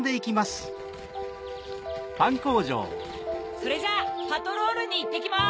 ・それじゃあパトロールにいってきます！